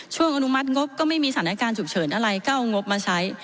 อนุมัติงบก็ไม่มีสถานการณ์ฉุกเฉินอะไรก็เอางบมาใช้